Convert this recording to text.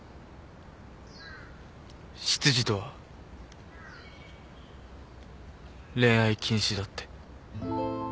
執事とは恋愛禁止だって。